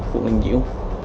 quận ninh diễu